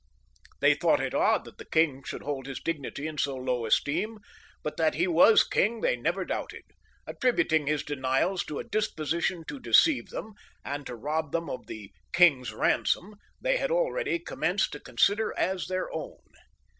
They thought it odd that the king should hold his dignity in so low esteem, but that he was king they never doubted, attributing his denials to a disposition to deceive them, and rob them of the "king's ransom" they had already commenced to consider as their own.